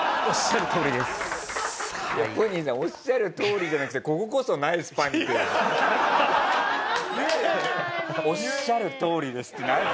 「おっしゃるとおりです」って何？